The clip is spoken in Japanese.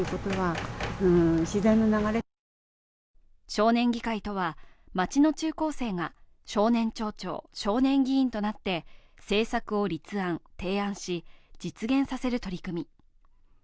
少年議会とは、町の中高生が少年町長、少年議員となって政策を立案・提案し実現させる取り組み。